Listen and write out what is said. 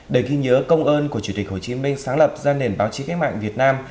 để ghi nhớ công ơn của chủ tịch hồ chí minh sáng lập ra nền báo chí cách mạng việt nam